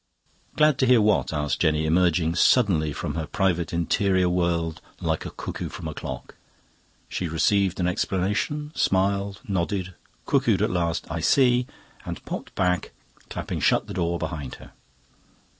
"Glad to hear what?" asked Jenny, emerging suddenly from her private interior world like a cuckoo from a clock. She received an explanation, smiled, nodded, cuckooed at last "I see," and popped back, clapping shut the door behind her.